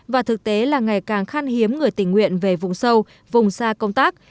và thực tế là ngày càng khăn hiếm người tỉnh huyện về vùng sâu vùng xa công tác